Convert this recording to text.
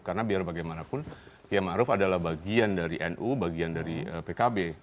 karena biar bagaimanapun km ma'ruf adalah bagian dari nu bagian dari pkb